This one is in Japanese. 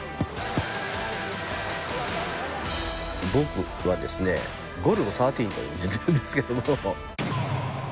僕はですね、ゴルゴ１３と呼んでるんですけども。